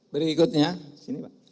berikutnya sini pak